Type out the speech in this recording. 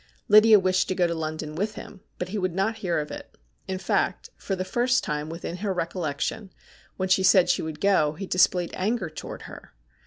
Lydia wished to go to London with him, but he would not hear of it. In fact, for the first time within her recollection, when she said she would go, he displayed anger towards her.